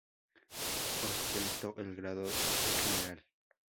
Ostentó el grado de general.